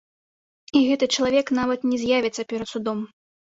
І гэты чалавек нават не з'явіцца перад судом.